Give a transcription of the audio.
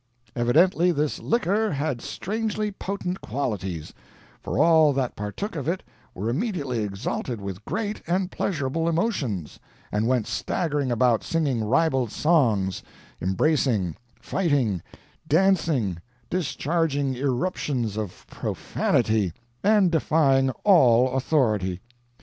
Evidently this liquor had strangely potent qualities; for all that partook of it were immediately exalted with great and pleasurable emotions, and went staggering about singing ribald songs, embracing, fighting, dancing, discharging irruptions of profanity, and defying all authority.